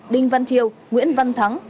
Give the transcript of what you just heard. đinh văn triều nguyễn văn thắng